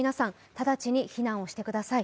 直ちに避難をしてください